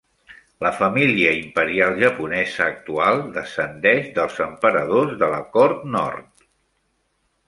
La família imperial japonesa actual descendeix dels emperadors de la cort nord.